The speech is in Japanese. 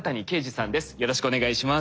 よろしくお願いします。